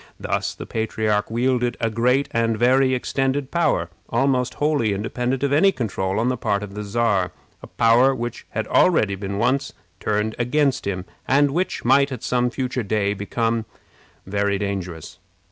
Thus the patriarch wielded a great and very extended power, almost wholly independent of any control on the part of the Czar a power which had already been once turned against him, and which might at some future day become very dangerous.